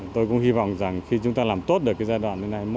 tôi cũng hy vọng rằng khi chúng ta làm tốt được giai đoạn năm hai mươi một